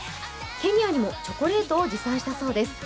ケニアにもチョコレートを持参したそうです。